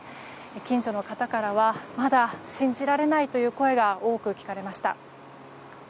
近所の方からはまだ信じられないという声が多く聞かれました。